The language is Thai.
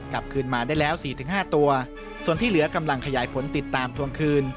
กลับคืนมาได้แล้ว๔๕ตัวส่วนที่เหลือกำลังขยายผลติดตามทวงคืน